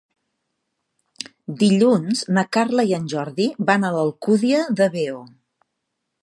Dilluns na Carla i en Jordi van a l'Alcúdia de Veo.